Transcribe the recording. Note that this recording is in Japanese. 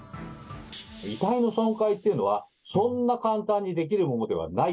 遺体の損壊というのは、そんな簡単にできるものではない。